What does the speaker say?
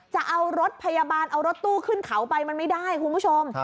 จะเอารถพยาบาลเอารถตู้ขึ้นเขาไปมันไม่ได้คุณผู้ชม